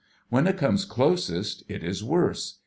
When it comes closest, it is worse.